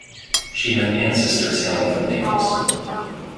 She had ancestors hailing from Naples.